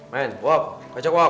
main wak kocok wak